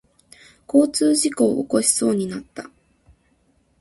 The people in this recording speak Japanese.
交通事故を起こしそうになった。